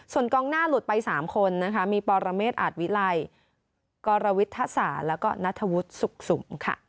ส่วนกองหน้าหลุดไป๓คนมีปอรเมษอาจวิไลกอรวิทธสาและนัทวุธสุขสุม